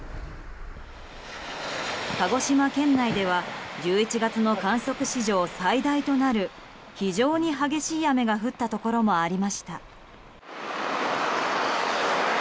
鹿児島県内では１１月の観測史上最大となる非常に激しい雨が降ったところもありました。